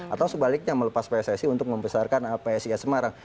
atau sebaliknya melepas pssi untuk membesarkan psis semarang